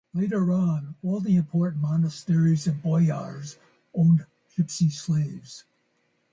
Later on, all the important monasteries and "boyars" owned Gipsy slaves.